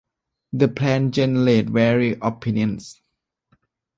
The plan generated varied opinions.